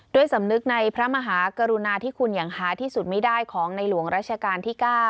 สำนึกในพระมหากรุณาที่คุณอย่างหาที่สุดไม่ได้ของในหลวงราชการที่๙